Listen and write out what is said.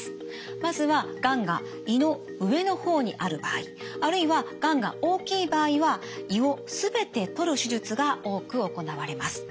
まずはがんが胃の上の方にある場合あるいはがんが大きい場合は胃をすべてとる手術が多く行われます。